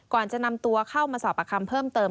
ก่อนจะนำตัวเข้ามาสอบประคำเพิ่มเติม